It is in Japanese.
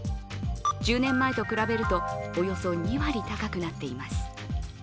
１０年前と比べるとおよそ２割、高くなっています。